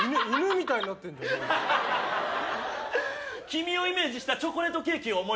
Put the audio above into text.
君をイメージしたチョコレートケーキを思い付いたよ。